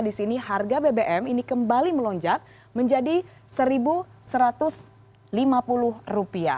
di sini harga bbm ini kembali melonjak menjadi rp satu satu ratus lima puluh